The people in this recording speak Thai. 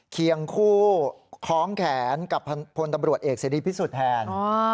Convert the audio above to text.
เคียงคู่คล้องแขนกับพลตำรวจเอกเสรีพิสุทธิ์แทน